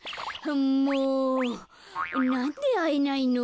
もうなんであえないの？